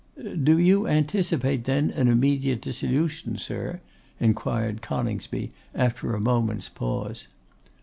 'Do you anticipate then an immediate dissolution, sir?' inquired Coningsby after a moment's pause.